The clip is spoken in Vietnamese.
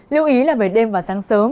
lưu ý là về đêm và sáng sớm